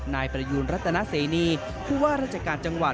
นายประยูนรัตนเสนีผู้ว่าราชการจังหวัด